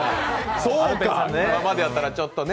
今までやったらちょっとね。